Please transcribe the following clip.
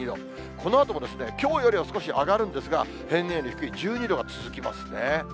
このあとも、きょうよりは少し上がるんですが、平年より低い１２度が続きますね。